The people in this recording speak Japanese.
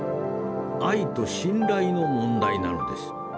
愛と信頼の問題なのです。